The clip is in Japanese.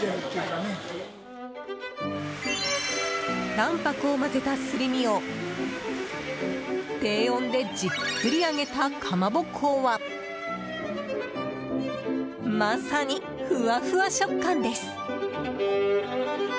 卵白を混ぜたすり身を低温でじっくり揚げたかまぼこはまさに、ふわふわ食感です。